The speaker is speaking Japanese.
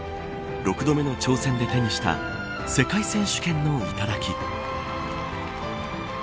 ６度目の挑戦で手にした世界選手権の頂。